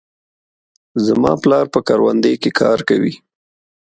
زما پلار په کروندې کې کار کوي.